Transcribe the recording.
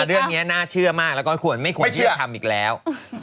เรื่องนี้น่าเชื่อมากแล้วก็ควรไม่ควรที่จะทำอีกแล้ว